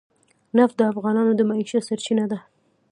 نفت د افغانانو د معیشت سرچینه ده.